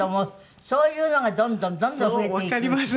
そういうのがどんどんどんどん増えていくのよね。